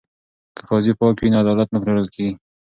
که قاضي پاک وي نو عدالت نه پلورل کیږي.